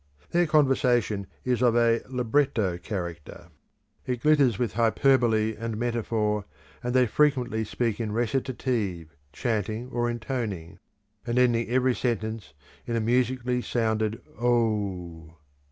Their conversation is of a "libretto" character; it glitters with hyperbole and metaphor, and they frequently speak in recitative, chanting or intoning, and ending every sentence in a musically sounded O!